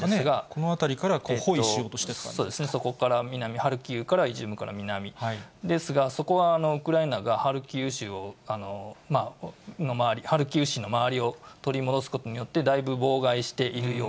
この辺りから包囲しようとしここから南、イジュームから南、そこはウクライナがハルキウ州を、周り、ハルキウ州の周りを取り戻すことによって、だいぶ妨害しているよ